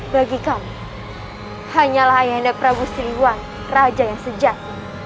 bagi kami hanyalah ayah anda prabu siliwan raja yang sejah